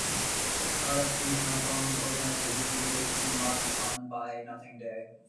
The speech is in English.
Jakarta Food Not Bombs organized a Really Really Free Market on Buy Nothing Day.